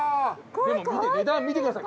でも値段見てください